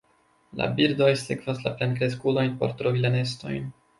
La birdoj sekvas la plenkreskulojn por trovi la nestojn.